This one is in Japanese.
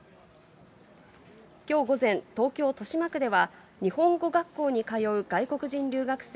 きょう午前、東京・豊島区では、日本語学校に通う外国人留学生